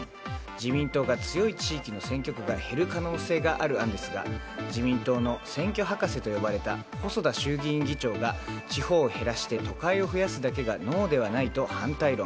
自民党が強い地域の選挙区が減る可能性がある案ですが自民党の選挙博士と呼ばれた細田衆院議長が地方を減らして都会を増やすだけが能ではないと反対論。